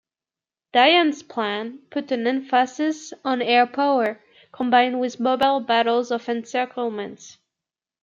Dayan's plan put an emphasis on air power combined with mobile battles of encirclement.